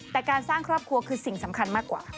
แต่การสร้างครอบครัวคือสิ่งสำคัญมากกว่า